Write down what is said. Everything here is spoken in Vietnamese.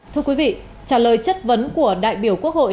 thưa quý vị trả lời chất vấn của đại biểu quốc hội